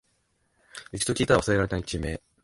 一度聞いたら忘れられない地名